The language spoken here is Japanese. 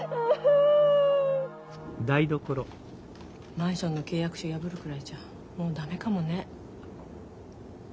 マンションの契約書破るくらいじゃもう駄目かもね。